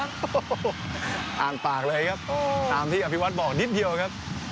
โอ้โหอ่านปากเลยครับตามที่อภิวัตรบอกนิดเดียวครับ